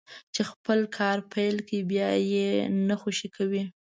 چې خپل کار پيل کړي بيا دې يې نه خوشي کوي.